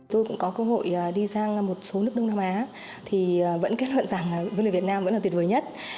tôi cũng có cơ hội đi sang một số nước đông nam á thì vẫn kết luận rằng du lịch việt nam vẫn là tuyệt vời nhất